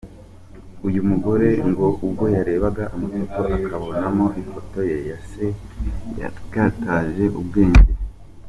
Uyu mugore ngo ubwo yarebaga amafoto akabonamo ifoto ya se yatakaje ubwenge.